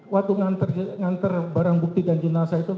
waktu mengantar barang bukti dan jurnal saya itu